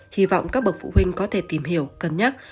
hy vọng các bậc phụ huynh có thể tìm hiểu cân nhắc